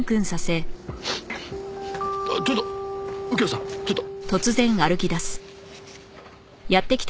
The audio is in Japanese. あっちょっと右京さんちょっと。